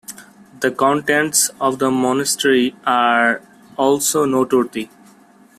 The contents of the monastery are also noteworthy.